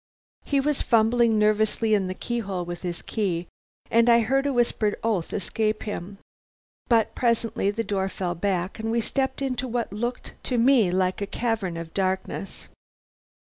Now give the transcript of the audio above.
"He was fumbling nervously in the keyhole with his key, and I heard a whispered oath escape him. But presently the door fell back, and we stepped in to what looked to me like a cavern of darkness.